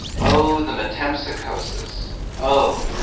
Oh! the metempsychosis! Oh!